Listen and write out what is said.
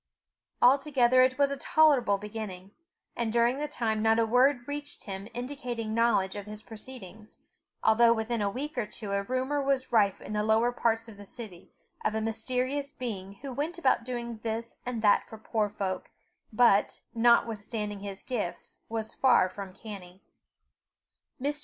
Altogether it was a tolerable beginning, and during the time, not a word reached him indicating knowledge of his proceedings, although within a week or two a rumour was rife in the lower parts of the city, of a mysterious being who went about doing this and that for poor folk, but, notwithstanding his gifts, was far from canny. Mr.